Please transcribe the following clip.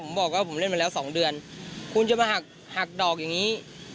ผมบอกว่าผมเล่นมาแล้ว๒เดือนคุณจะมาหักดอกอย่างนี้